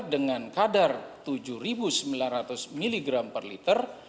dengan kadar tujuh ribu sembilan ratus miligram per liter